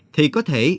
thì có thể